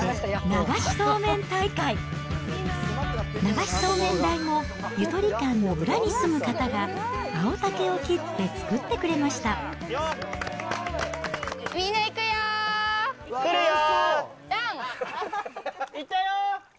流しそうめん台も、ゆとり館の裏に住む方が、青竹を切って作ってみんな、行くよ。